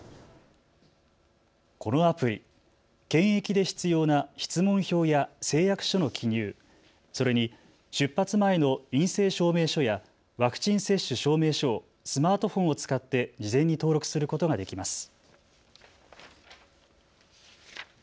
このアプリ検疫で必要な質問票や誓約書の記入、それに出発前の陰性証明書やワクチン接種証明書をスマートフォンを使って事前に登録することができます。